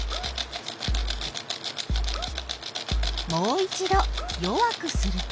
もう一ど弱くすると？